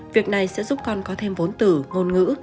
việc này sẽ giúp con có thêm vốn từ ngôn ngữ